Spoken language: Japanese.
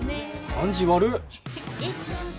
感じ悪っ！